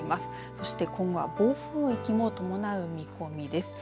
そして今後は暴風域も伴う見込みです。